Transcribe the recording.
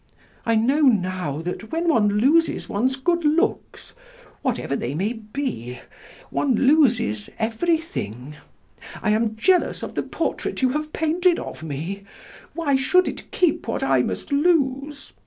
I know now that when one loses one's good looks, whatever they may be, one loses everything.... I am jealous of the portrait you have painted of me. Why should it keep what I must lose?...